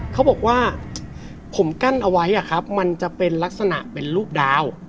เขาบอกว่าผมกั้นเอาไว้มันจะเป็นลักษณะเป็นรูปดาว